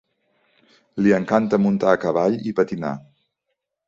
Li encanta muntar a cavall i patinar.